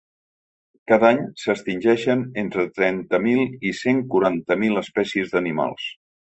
Cada any s’extingeixen entre trenta mil i cent quaranta mil espècies d’animals.